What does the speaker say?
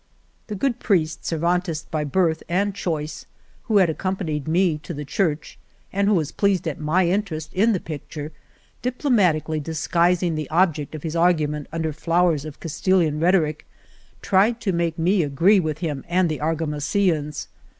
The good priest, Cervantist by birth and choice, who had accompanied me to the church, and who was pleased at my interest in the picture, diplomatically disguising the object of his argument under flowers of Cas tilian rhetoric, tried to make me agree with him and the Argamasillans.